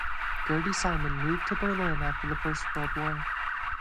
Gerty Simon moved to Berlin after the First World War.